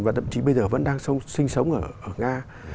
và thậm chí bây giờ vẫn đang sinh sống ở nga